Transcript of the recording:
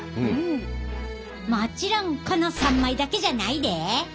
もちろんこの３枚だけじゃないで。